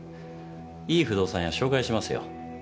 いい不動産屋を紹介しますよ。